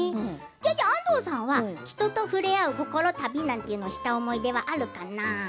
安藤さんは人と触れ合うこころ旅なんていうのをした思い出はあるかな？